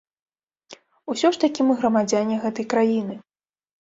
Усё ж такі мы грамадзяне гэтай краіны.